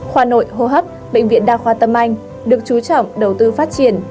khoa nội hô hấp bệnh viện đa khoa tâm anh được chú trọng đầu tư phát triển